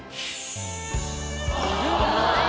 うわ！